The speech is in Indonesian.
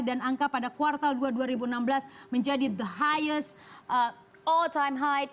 dan angka pada kuartal dua ribu enam belas menjadi the highest all time high